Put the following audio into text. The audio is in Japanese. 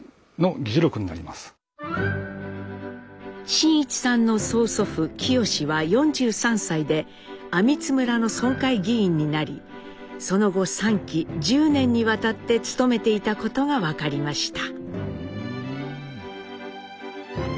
真一さんの曽祖父喜吉は４３歳で網津村の村会議員になりその後３期１０年にわたって務めていたことが分かりました。